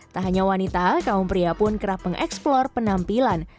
tak hanya wanita kaum pria pun kerap mengeksplor penampilan